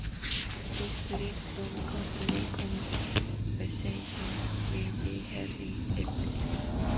District and county conventions will be held in April.